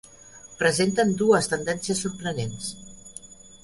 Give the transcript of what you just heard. Presenten dues tendències sorprenents.